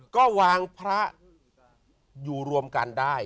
ก็วางพระอยู่รวมกันได้